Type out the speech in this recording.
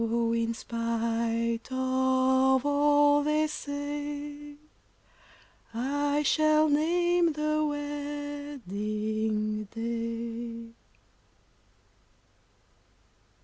So, in spite of all they say, I shall name the wedding day.